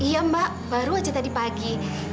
iya mbak baru aja tadi pagi